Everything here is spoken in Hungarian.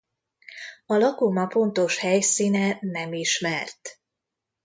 A lakoma pontos helyszíne nem ismert.